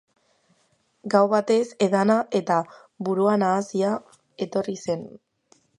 Gau batez edana eta burua nahasia etorri zen.